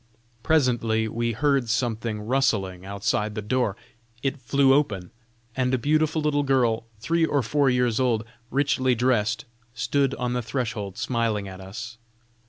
Presently, we heard something rustling outside the door: it flew open, and a beautiful little girl three or four years old, richly dressed, stood on the threshold smiling at us.